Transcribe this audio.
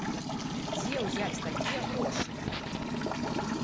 Дзе ўзяць такія грошы?